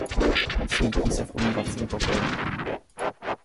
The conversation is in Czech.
Svítí se v obývacím pokoji?